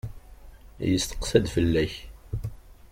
Yesteqsa-d fell-ak.